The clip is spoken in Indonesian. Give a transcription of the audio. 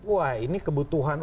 wah ini kebutuhan